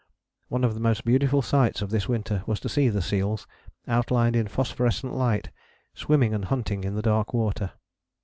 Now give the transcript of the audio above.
One of the most beautiful sights of this winter was to see the seals, outlined in phosphorescent light, swimming and hunting in the dark water.